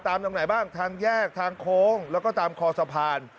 ตรงไหนบ้างทางแยกทางโค้งแล้วก็ตามคอสะพาน